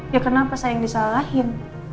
ya kenapa saya yang disalahin